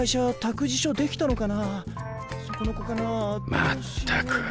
まったく。